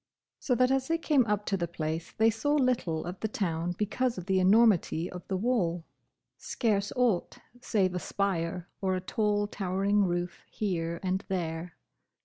So that as they came up to the place they saw little of the town because of the enormity of the wall; scarce aught save a spire or a tall towering roof here and there.